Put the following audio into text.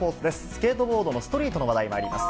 スケートボードのストリートの話題にまいります。